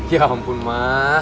ya ampun ma